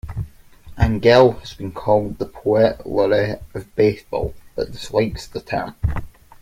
Angell has been called the "Poet Laureate of baseball" but dislikes the term.